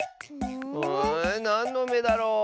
んなんのめだろう？